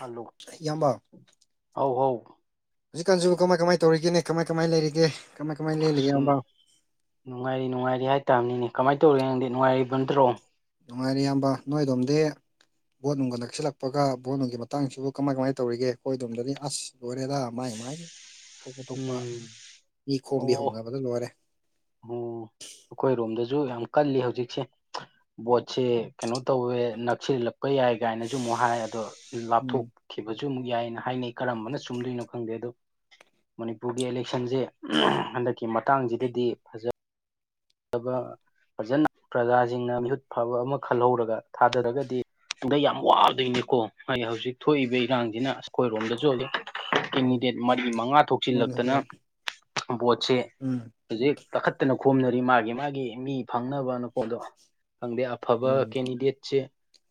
hello ꯏꯌꯥꯝꯕ ꯍꯥꯎ ꯍꯧ ꯍꯧꯖꯤꯛꯀꯥꯟꯁꯤꯕꯨ ꯀꯃꯥꯏ ꯀꯃꯥꯏ ꯇꯧꯔꯤꯒꯦ ꯀꯃꯥꯏ ꯀꯃꯥꯏꯅ ꯂꯩꯔꯤꯒꯦ ꯀꯃꯥꯏ ꯀꯃꯥꯏ ꯂꯦꯜꯂꯤꯒꯦ ꯏꯌꯥꯝꯕ ꯅꯨꯡꯉꯥꯏꯔꯤ ꯅꯨꯡꯉꯥꯏꯔꯤ ꯍꯥꯏꯇꯥꯥꯔꯕꯅꯤꯅꯦ ꯀꯃꯥꯏꯅ ꯇꯧꯔꯤꯒꯦ ꯅꯪꯗꯤ ꯅꯨꯡꯉꯥꯏꯔꯤꯕ ꯅꯠꯇ꯭ꯔꯣ ꯅꯨꯡꯉꯥꯏꯔꯦ ꯏꯌꯥꯝꯕ ꯅꯣꯏꯗꯣꯝꯗꯤ ꯕꯣꯠ ꯅꯨꯡꯒ ꯅꯛꯁꯤꯜꯂꯛꯄꯒ ꯕꯣꯠ ꯅꯨꯡꯒꯤ ꯃꯇꯥꯡꯁꯤꯕꯨ ꯀꯃꯥꯏ ꯀꯃꯥꯏꯅ ꯇꯧꯔꯤꯒꯦ ꯑꯩꯈꯣꯏꯗꯣꯝꯗꯗꯤ ꯑꯁ ꯂꯣꯏꯔꯦꯗ ꯃꯥꯏ ꯑꯗꯨꯃꯥꯏꯅ ꯊꯣꯛꯄ ꯊꯣꯛꯄ ꯎꯝ ꯃꯤ ꯈꯣꯝꯕꯤ ꯑꯣ ꯍꯧꯣꯡꯅꯕꯗ ꯂꯣꯏꯔꯦ ꯑꯣ ꯑꯩꯈꯣꯏꯔꯣꯝꯗꯁꯨ ꯌꯥꯝ ꯀꯜꯂꯤ ꯍꯧꯖꯤꯛꯁꯦ ꯕꯣꯠꯁꯦ ꯀꯩꯅꯣ ꯇꯧꯋꯦ ꯅꯛꯁꯤꯜꯂꯛꯄ ꯌꯥꯏ ꯀꯥꯏꯅꯁꯨ ꯑꯃꯨꯛ ꯍꯥꯏ ꯑꯗꯣ ꯎꯝ ꯂꯥꯞꯊꯣꯛꯈꯤꯕꯁꯨ ꯑꯃꯨꯛ ꯌꯥꯏꯑꯅ ꯍꯥꯏꯅꯩ ꯀꯔꯝꯕꯅ ꯆꯨꯝꯗꯣꯏꯅꯣ ꯈꯪꯗꯦ ꯑꯗꯣ ꯃꯅꯤꯄꯨꯔꯒꯤ ꯏꯂꯦꯛꯁꯟꯁꯦ ꯍꯟꯗꯛꯀꯤ ꯃꯇꯥꯡꯁꯤꯗꯗꯤ ꯐꯖ ꯐꯖꯅ ꯄ꯭ꯔꯖꯥꯁꯤꯡꯅ ꯃꯤꯍꯨꯠ ꯐꯕ ꯑꯃ ꯈꯜꯍꯧꯔꯒ ꯊꯥꯗꯔꯒꯗꯤ ꯗ ꯌꯥꯝ ꯋꯥꯗꯣꯏꯅꯦꯀꯣ ꯍꯥꯏ ꯍꯧꯖꯤꯛ ꯊꯣꯛꯏꯕ ꯏꯔꯥꯡꯁꯤꯅ ꯑꯩꯈꯣꯏꯔꯣꯝꯗ ꯆꯣꯜꯂꯤ ꯎꯝ ꯀꯦꯟꯗꯤꯗꯦꯠ ꯃꯔꯤ ꯃꯉꯥ ꯃꯥꯅꯦ ꯊꯣꯛꯆꯤꯜꯂꯛꯇꯅ ꯃꯌꯥꯝ ꯚꯣꯠꯁꯦ ꯎꯝ ꯍꯧꯖꯤꯛ ꯀꯥꯈꯠꯇꯅ ꯈꯣꯝꯅꯔꯤ ꯃꯥꯒꯤ ꯃꯥꯒꯤ ꯃꯤ ꯐꯪꯅꯕꯅꯄꯣꯗꯣ ꯈꯪꯗꯦ ꯑꯐꯕ ꯎꯝ ꯀꯦꯟꯗꯤꯗꯦꯠꯁꯦ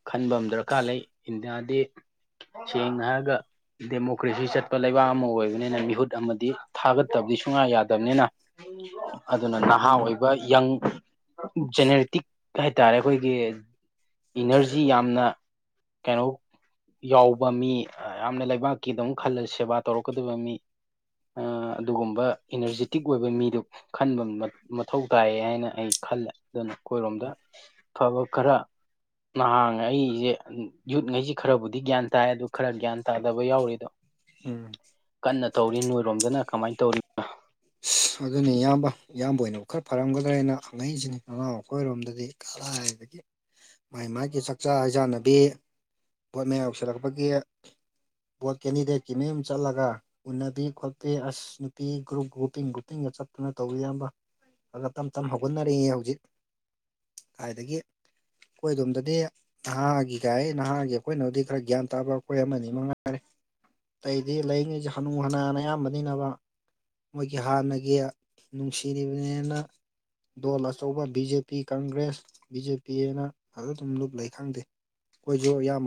ꯈꯟꯕ ꯑꯃ ꯗꯔꯀꯥꯔ ꯂꯩ ꯏꯟꯗꯤꯌꯥꯗꯤ ꯁꯦꯡ ꯍꯥꯏꯒ ꯗꯦꯃꯣꯀ꯭ꯔꯦꯁꯤ ꯆꯠꯄ ꯂꯩꯕꯥꯛ ꯑꯃ ꯑꯣꯏꯕꯅꯤꯅ ꯃꯤꯍꯨꯠ ꯑꯃꯗꯤ ꯊꯥꯒꯠꯇꯕꯗꯤ ꯁꯨꯡꯌꯥ ꯌꯥꯗꯕꯅꯤꯅ ꯑꯗꯨꯅ ꯅꯍꯥ ꯎꯝ ꯑꯣꯏꯕ ꯌꯪ ꯖꯦꯅꯦꯔꯦꯇꯤꯛ ꯍꯥꯏꯇꯥꯔꯦ ꯑꯩꯈꯣꯏꯒꯤ ꯏꯅꯔꯖꯤ ꯌꯥꯝꯅ ꯀꯩꯅꯣ ꯌꯥꯎꯕ ꯃꯤ ꯌꯥꯝꯅ ꯂꯩꯕꯥꯛꯀꯤꯗ ꯑꯃꯛ ꯈꯜꯂ ꯁꯦꯕꯥ ꯇꯧꯔꯛꯀꯗꯕ ꯃꯤ ꯑꯗꯨꯒꯨꯝꯕ ꯏꯅꯔꯖꯤꯦꯇꯤꯛ ꯑꯣꯏꯕ ꯃꯤꯗꯨ ꯈꯟꯕ ꯃꯊꯧ ꯇꯥꯏꯌꯦ ꯍꯥꯏꯅ ꯑꯩ ꯈꯜꯂꯦ ꯑꯗꯨꯅ ꯑꯩꯈꯣꯏꯔꯣꯝꯗ ꯑꯕ ꯈꯔ ꯅꯍꯥꯟ ꯑꯩꯁꯦ ꯌꯨꯠꯉꯩꯁꯦ ꯈꯔꯕꯨꯗꯤ ꯒ꯭ꯌꯥꯟ ꯇꯥꯏ ꯑꯗꯨ ꯈꯔ ꯒ꯭ꯌꯥꯟ ꯇꯥꯗꯕ ꯌꯥꯎꯔꯤ ꯑꯗꯣ ꯎꯝ ꯀꯟꯅ ꯇꯧꯔꯤ ꯅꯣꯏꯔꯣꯝꯗꯅ ꯀꯃꯥꯏꯅ ꯇꯧꯔꯤ ꯑ ꯑꯗꯨꯅꯦ ꯏꯌꯥꯝꯕ ꯏꯌꯥꯝꯕ ꯑꯣꯏꯅꯣ ꯈꯔ ꯐꯔꯝꯒꯗ꯭ꯔꯥꯦꯅ ꯍꯪꯉꯛꯩꯁꯤ ꯅꯅꯥꯎ ꯃꯈꯈꯣꯏꯔꯣꯝꯗꯗꯤ ꯀꯗꯥꯏꯗꯒꯤ ꯃꯥꯒꯤ ꯃꯥꯒꯤ ꯆꯥꯛꯆꯥ ꯍꯩꯖꯥꯟꯅꯕꯤ ꯄꯣꯠ ꯃꯌꯥ ꯌꯁꯤꯜꯂꯛꯄꯒꯤ ꯕꯣꯠ ꯀꯦꯟꯗꯤꯗꯦꯠꯀꯤ ꯃꯌꯨꯝ ꯆꯠꯂꯒ ꯎꯅꯕꯤ ꯈꯣꯠꯄꯤ ꯑꯁ ꯅꯨꯄꯤ ꯒ꯭ꯔꯨꯞ ꯒ꯭ꯔꯨꯞ ꯀꯇꯤꯡ ꯀꯨꯞꯇꯤꯡꯒ ꯆꯠꯇꯨꯅ ꯇꯧꯕꯤꯔꯝꯕ ꯑꯗꯨꯒ ꯇꯞ ꯇꯞ ꯍꯧꯒꯠꯅꯔꯤꯛꯑꯦ ꯍꯧꯖꯤꯛ ꯀꯥꯏꯗꯒꯤ ꯑꯩꯈꯣꯏ ꯑꯗꯣꯝꯗꯗꯤ ꯅꯍꯥꯒꯤꯒꯥꯏ ꯅꯍꯥꯒꯤ ꯑꯩꯈꯣꯏꯅꯕꯨꯗꯤ ꯈꯔ ꯒ꯭ꯌꯥꯟ ꯇꯥꯕ ꯑꯩꯈꯣꯏ ꯑꯃꯅꯤ ꯃꯉꯥꯏꯔꯦ ꯑꯇꯩꯗꯤ ꯂꯩꯉꯤꯁꯤꯦ ꯍꯅꯨ ꯍꯅꯥꯅ ꯑꯌꯥꯝꯕꯅꯤꯅꯕ ꯃꯣꯏꯒꯤ ꯍꯥꯟꯅꯒꯤ ꯅꯨꯡꯁꯤꯔꯤꯕꯅꯤꯅ ꯗꯣꯜ ꯑꯆꯧꯕ B J P Congress B J P ꯑꯦꯅ ꯑꯗꯨꯝ ꯂꯨꯞ ꯂꯩ ꯈꯪꯗꯦ ꯑꯩꯣꯏꯁꯨꯣ ꯌꯥ